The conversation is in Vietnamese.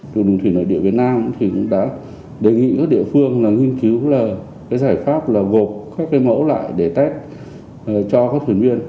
đồng thủy nội địa việt nam cũng đã đề nghị các địa phương nghiên cứu giải pháp gộp các mẫu lại để test cho các thuyền viên